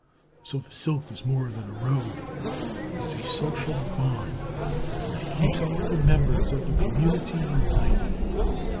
So the silk is more than a road: it is a social bond that keeps all the members of the community united.